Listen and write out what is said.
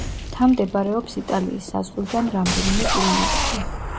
მთა მდებარეობს იტალიის საზღვრიდან რამდენიმე კილომეტრში.